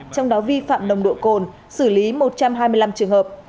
trong đó vi phạm nồng độ cồn xử lý một trăm hai mươi năm trường hợp